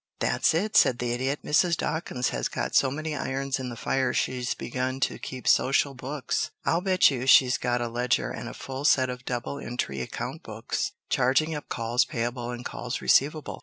"That's it," said the Idiot. "Mrs. Dawkins has got so many irons in the fire she's begun to keep social books. I'll bet you she's got a ledger and a full set of double entry account books charging up calls payable and calls receivable."